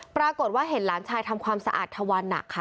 ปรากฏว่าเห็นหลานชายทำความสะอาดทวันหนักค่ะ